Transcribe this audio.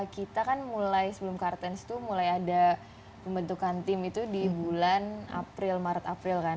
kita kan mulai sebelum kartens tuh mulai ada pembentukan tim itu di bulan april maret april kan